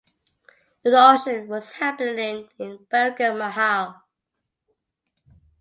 An auction was happening in Begum Mahal.